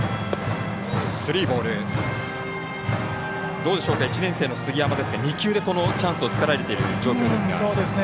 どうでしょうか１年生の杉山ですが２球でチャンスを作られている状況ですが。